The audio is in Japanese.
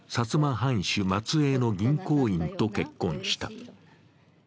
藩主末えいの銀行員と結婚した。